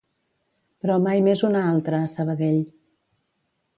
Però mai més una altra a Sabadell.